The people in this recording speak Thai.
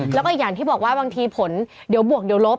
แล้วก็อย่างที่บอกว่าบางทีผลเดี๋ยวบวกเดี๋ยวลบ